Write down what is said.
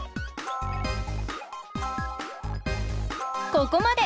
ここまで！